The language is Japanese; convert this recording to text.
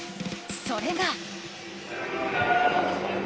それが。